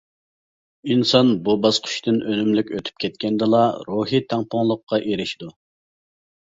ئىنسان بۇ باسقۇچتىن ئۈنۈملۈك ئۆتۈپ كەتكەندىلا، روھىي تەڭپۇڭلۇققا ئېرىشىدۇ.